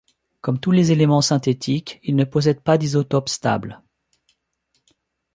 Comme tous les éléments synthétiques, il ne possède pas d'isotopes stables.